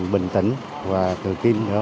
bình tĩnh và tự tin